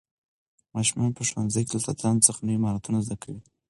ماشومان په ښوونځي کې له استادانو څخه نوي مهارتونه زده کوي